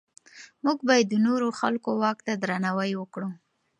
موږ باید د نورو خلکو واک ته درناوی وکړو.